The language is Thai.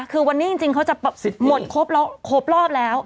คือวันนี้จริงเขาจะหมดครบรอบแล้ว